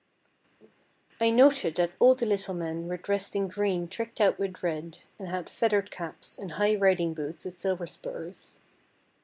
I noted that all the little men were dressed in green tricked out with red, and had feathered caps and high riding boots with silver spurs.